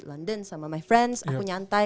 london sama my friends aku nyantai